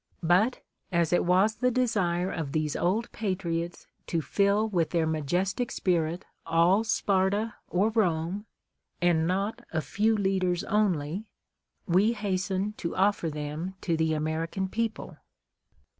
But, as it was the desire of these old patriots to fill with their majestic spirit all Sparta or Rome, and not a few leaders only, we hasten to ofTer them to the American people.